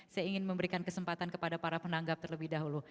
saya ingin memberikan kesempatan kepada para penanggap terlebih dahulu